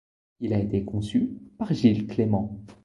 Il a été conçu par Gilles Clément.